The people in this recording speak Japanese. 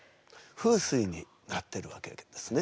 風水になってるわけですね。